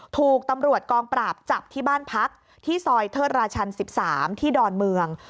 ถูกตำรวจกองปราบจับที่บ้านพักที่ซอยเทิดราชัน๑๓ที่ดอนเมือง